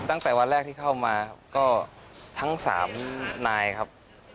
ตั้งแต่วันแรกที่เข้ามาครับก็ทั้ง๓นายครับ